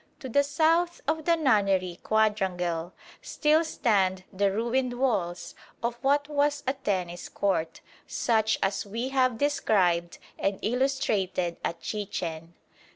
To the south of the Nunnery quadrangle still stand the ruined walls of what was a tennis court, such as we have described and illustrated at Chichen.